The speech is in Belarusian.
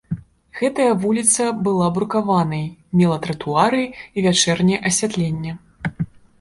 Гэтая вуліца была брукаванай, мела тратуары і вячэрняе асвятленне.